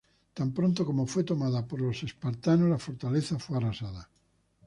Tan pronto como fue tomada por los espartanos, la fortaleza fue arrasada.